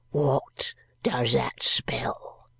"What does that spell?"